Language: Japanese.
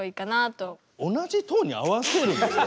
同じトーンに合わせるんですか？